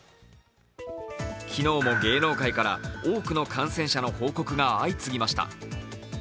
昨日も芸能界から多くの感染者の報告が相次ぎました。